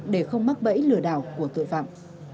để không mắc bẫy lừa đảo của tội phạm